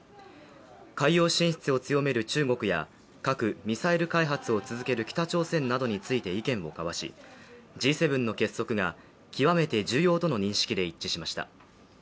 海洋進出を強める中国や核ミサイル開発を進める北朝鮮などについて意見を交わしＧ７の結束が極めて重要との認識で一致しました。